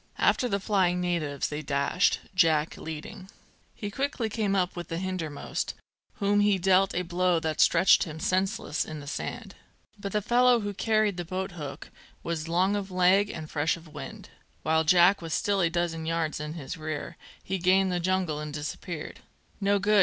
After the flying natives they dashed, Jack leading. He quickly came up with the hinder most, whom he dealt a blow that stretched him senseless in the sand. But the fellow who carried the boathook was long of leg and fresh of wind; while Jack was still a dozen yards in his rear, he gained the jungle and disappeared. "No good!"